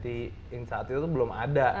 orang ngeluarin berani ngeluarin yang kayak gitu